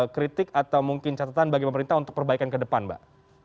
kritik atau mungkin catatan bagi pemerintah untuk perbaikan ke depan mbak